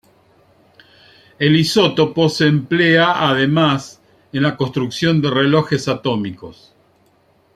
El isótopo se emplea además en la construcción de relojes atómicos.